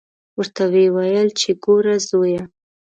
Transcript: ورته ویې ویل چې ګوره زویه.